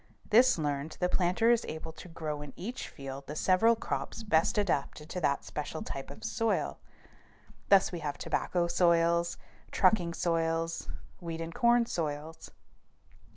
This learned, the planter is able to grow in each field the several crops best adapted to that special type of soil. Thus we have tobacco soils, trucking soils, wheat and corn soils.